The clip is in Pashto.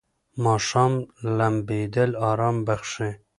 ماښام لمبېدل آرام بخښي.